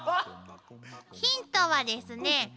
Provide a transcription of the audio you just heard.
ヒントはですね